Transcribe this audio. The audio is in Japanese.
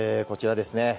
こちらですね。